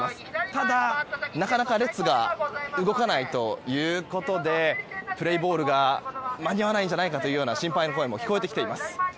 ただ、なかなか列が動かないということでプレーボールに間に合わないんじゃないかという心配の声も聞こえてきています。